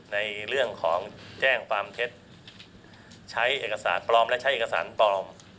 ในเรื่องของแจ้งความเท็จใช้เอกสารปลอมและใช้เอกสารปลอม